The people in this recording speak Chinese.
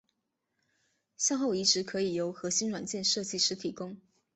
向后移植可以由核心软件设计师提供。